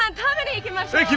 行きましょう！